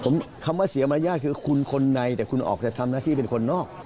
ผมคำว่าเสียมารยาทคือคุณคนในแต่คุณออกจะทำหน้าที่เป็นคนนอก